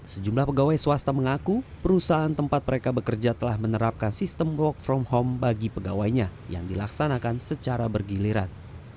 sejumlah pegawai swasta mengaku perusahaan tempat mereka bekerja telah menerapkan sistem work from home bagi pegawainya yang dilaksanakan secara bergiliran